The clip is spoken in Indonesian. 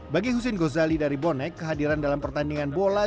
bagi hussein gozali dari bonek kehadiran dalam pertandingan bola